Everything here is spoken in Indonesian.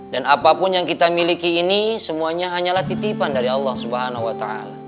dan apapun yang kita miliki ini semuanya hanyalah titipan dari allah swt